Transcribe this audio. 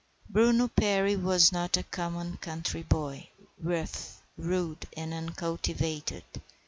Bruno Perry was not a common country boy, rough, rude, and uncultivated.